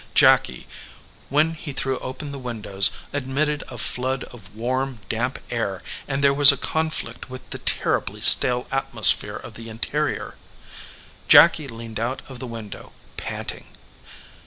Jacky, when he threw open the windows, admitted a flood of warm, damp air, and there was a conflict with the terribly stale atmosphere of the interior. Jacky leaned out of the window, panting.